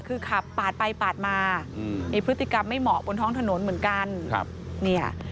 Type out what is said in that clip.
คือขับปาดไปปาดมามีพฤติกรรมไม่เหมาะบนท้องถนนเหมือนกันครับเนี่ย